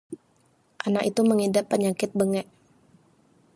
anak itu mengidap penyakit bengek